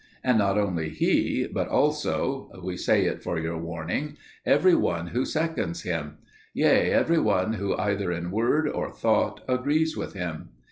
And not only he, but also we say it for your warning every one who seconds him, yea, every one who either in word or thought agrees with him.